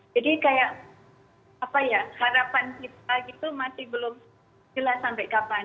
jadi kayak apa ya harapan kita gitu masih belum jelas sampai kapan